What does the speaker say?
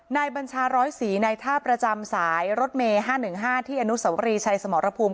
นายบัญชาร้อยศรีในท่าประจำสายรถเมห้าหนึ่งห้าที่อนุสวรีชายสมรภูมิ